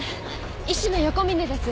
医師の横峯です。